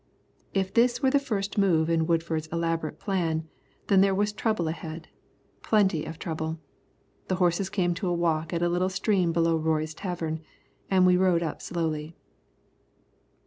If this were the first move in Woodford's elaborate plan, then there was trouble ahead, and plenty of trouble. The horses came to a walk at a little stream below Roy's tavern, and we rode up slowly.